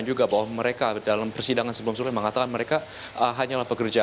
dan juga bahwa mereka dalam persidangan sebelum sebelumnya mengatakan mereka hanyalah pekerja